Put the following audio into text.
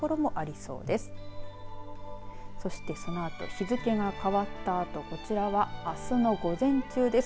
そしてそのあと日付が変わったあとこちらは、あすの午前中です。